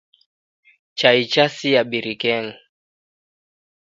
Chai chasia birikenyi.